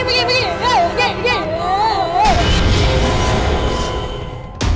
he pergi pergi